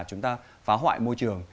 chúng ta phá hoại môi trường